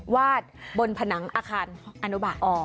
วาดบนผนังอาคารอนุบะ